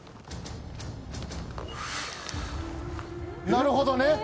なるほどね！